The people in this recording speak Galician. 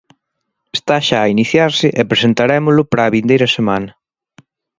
Está xa a iniciarse e presentarémolo para a vindeira semana.